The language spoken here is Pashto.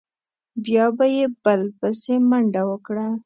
بیا به یې بل بسې منډه وکړه.